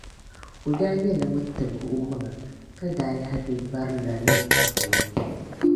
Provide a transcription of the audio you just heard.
O daa nyɛla ŋun tibgi o maŋa, ka daa lahi be barinanim’ puuni.